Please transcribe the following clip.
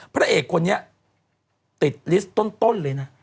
พระเอกคนนี้ติดลิสต์ต้นเลยนะ